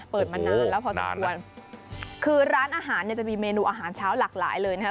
เปิดมานานแล้วพอสมควรคือร้านอาหารเนี่ยจะมีเมนูอาหารเช้าหลากหลายเลยนะครับ